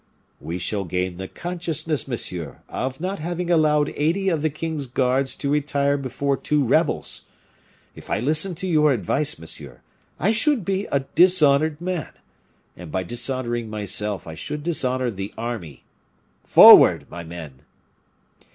"We shall gain the consciousness, monsieur, of not having allowed eighty of the king's guards to retire before two rebels. If I listened to your advice, monsieur, I should be a dishonored man; and by dishonoring myself I should dishonor the army. Forward, my men!"